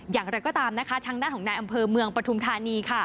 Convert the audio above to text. อย่างไรก็ตามนะคะทางด้านของนายอำเภอเมืองปฐุมธานี